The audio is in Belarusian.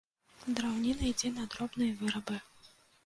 Драўніна ідзе на дробныя вырабы.